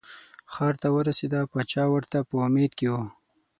ښار ته ورسېده پاچا ورته په امید کې و.